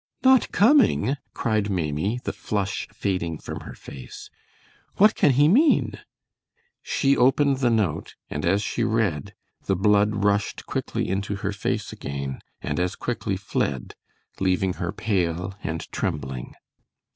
"Not coming?" cried Maimie, the flush fading from her face. "What can he mean?" She opened the note, and as she read the blood rushed quickly into her face again, and as quickly fled, leaving her pale and trembling.